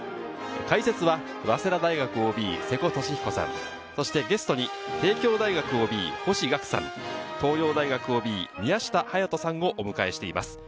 解説は早稲田大学ＯＢ・瀬古利彦さん、そしてゲストに帝京大学ＯＢ・星岳さん、東洋大学ＯＢ・宮下隼人さんをお迎えしています。